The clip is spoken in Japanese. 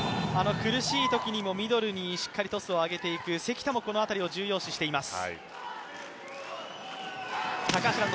苦しいときでもミドルにしっかりとトスを上げていく、関田もこの辺りを重要視しています。